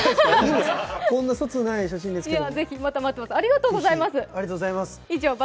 こんなそつない写真ですけど。